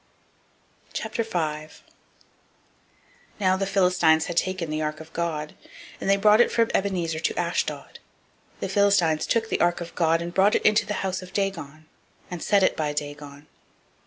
005:001 Now the Philistines had taken the ark of God, and they brought it from Ebenezer to Ashdod. 005:002 The Philistines took the ark of God, and brought it into the house of Dagon, and set it by Dagon.